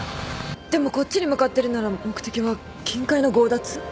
でもこっちに向かってるなら目的は金塊の強奪？